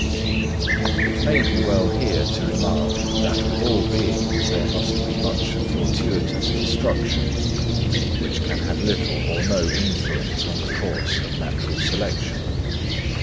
It may be well here to remark that with all beings there must be much fortuitous destruction, which can have little or no influence on the course of natural selection.